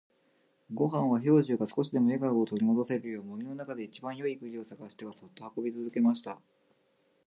ごんは兵十が少しでも笑顔を取り戻せるよう、森の中で一番よい栗を探してはそっと運び続けました。